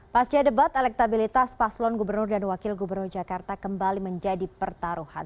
pasca debat elektabilitas paslon gubernur dan wakil gubernur jakarta kembali menjadi pertaruhan